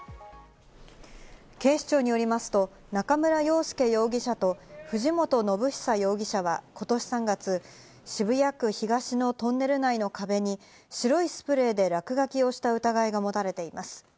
警視庁によりますと、中村洋介容疑者と藤本伸久容疑者は、今年３月、渋谷区東のトンネル内の壁に白いスプレーで落書きをした疑いが持たれています。